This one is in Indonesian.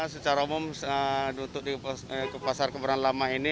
secara umum untuk pasar kebayoran lama ini